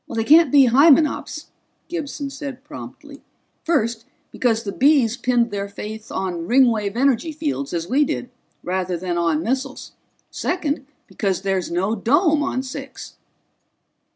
"They can't be Hymenops," Gibson said promptly. "First, because the Bees pinned their faith on Ringwave energy fields, as we did, rather than on missiles. Second, because there's no dome on Six."